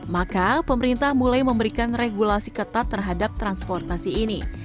maka pemerintah mulai memberikan regulasi ketat terhadap transportasi ini